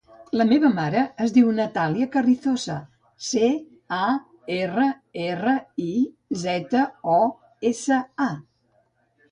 La meva mare es diu Natàlia Carrizosa: ce, a, erra, erra, i, zeta, o, essa, a.